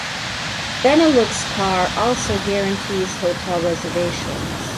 Beneluxcar also guarantees hotel reservations.